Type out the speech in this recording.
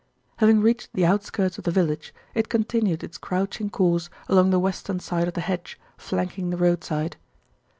Having reached the outskirts of the village, it continued its crouching course along the western side of the hedge flanking the roadside.